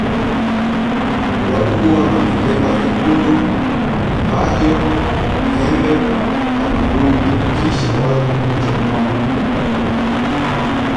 Watu huwa na vilemba vyekundu, mbajo, ng'embe na madungi kisha watu huchomoa